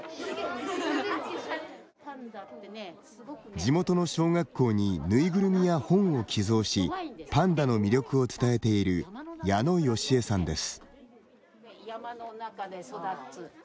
地元の小学校にぬいぐるみや本を寄贈しパンダの魅力を伝えている矢野美恵さんです。